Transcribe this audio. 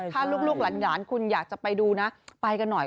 ถ้าลูกหลานคุณอยากจะไปดูนะไปกันหน่อย